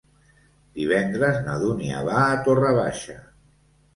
Divendres na Dúnia va a Torre Baixa.